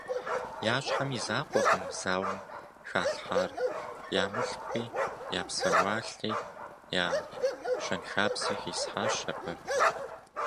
Я щхьэм и закъуэкъым зауэм халъхьар, я мылъкуи, я псэуалъи, я щэнхабзи хисхьащ абы.